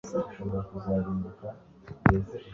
yibwira ko buri kintu ari cyiza